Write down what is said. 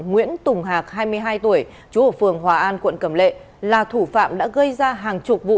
nguyễn tùng hạc hai mươi hai tuổi chú ở phường hòa an quận cầm lệ là thủ phạm đã gây ra hàng chục vụ